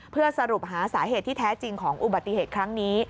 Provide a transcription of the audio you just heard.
เพื่อสรุปหาสาเหตุที่แท้จริงของอุบัติเหตุครั้งนี้